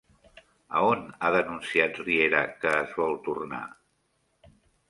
A on ha denunciat Riera que es vol tornar?